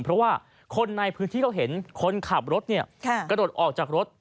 เพราะว่าคนในพื้นที่เขาเห็นคนขับรถกระโดดออกจากรถ